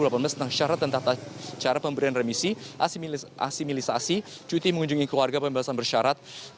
tentang syarat dan tata cara pemberian remisi asimilisasi cuti mengunjungi keluarga pembebasan bersyarat